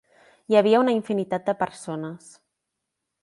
Hi havia una infinitat de persones.